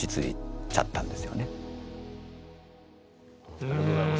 ありがとうございます。